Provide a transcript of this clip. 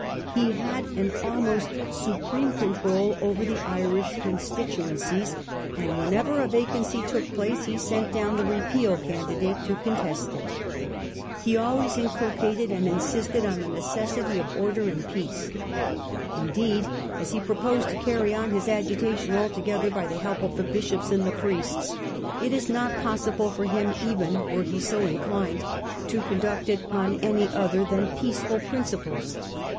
He had an almost supreme control over the Irish constituencies, and whenever a vacancy took place he sent down the Repeal candidate to contest it. He always in culcated and insisted on the necessity of order and peace. Indeed, as he proposed to carry on his agi tation altogether by the help of the bishops and the priests, it was not possible for him, even were he so inclined, to conduct it on any other than peaceful principles.